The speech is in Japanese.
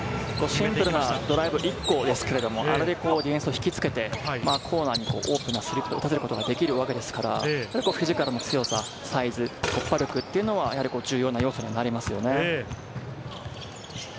シンプルなドライブ一本ですけれども、ディフェンスを引きつけて、コーナーに大きなスリーを打つことができるわけですから、フィジカルの強さ、サイズ、突破力は重要な要素になりますよね。